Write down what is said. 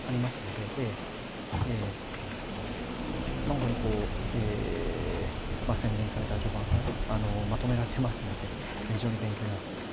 本当にこうえ洗練された序盤がねまとめられてますので非常に勉強になる本ですね。